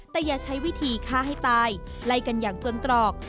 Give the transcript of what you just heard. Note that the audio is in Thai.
แต่อย่าใช้วิธีฆ่าให้ตายไล่กันอย่างจนตรอก